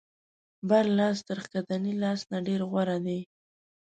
بر لاس تر ښکتني لاس نه ډېر غوره دی.